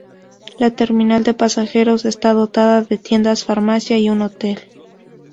La terminal de pasajeros está dotada de tiendas, farmacia y un hotel.